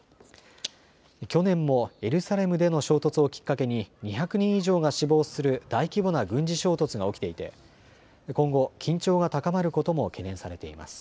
去年もエルサレムでの衝突をきっかけに２００人以上が死亡する大規模な軍事衝突が起きていて今後、緊張が高まることも懸念されています。